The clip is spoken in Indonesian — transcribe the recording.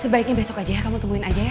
sebaiknya besok aja kamu temuin aja ya